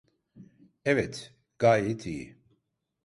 Evet, gayet iyi.